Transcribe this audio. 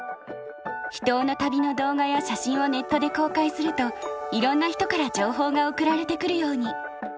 秘湯の旅の動画や写真をネットで公開するといろんな人から情報が送られてくるように。